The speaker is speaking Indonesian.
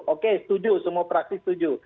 oke setuju semua praksi setuju